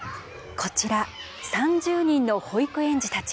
こちら３０人の保育園児たち。